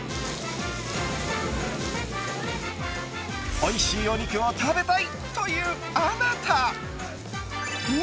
おいしいお肉を食べたいという、あなた。